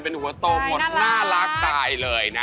เป็นหัวโตหมดน่ารักตายเลยนะ